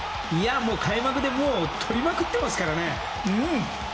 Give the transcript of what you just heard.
開幕で取りまくってますからね。